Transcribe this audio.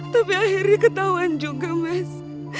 tapi akhirnya ketahuan juga mas